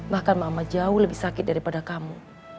bahkan mama jauh lebih sakit daripada kamu